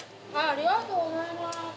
ありがとうございます。